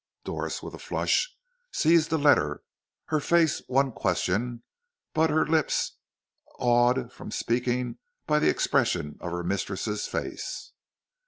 Doris, with a flush, seized the letter, her face one question, but her lips awed from speaking by the expression of her mistress' face.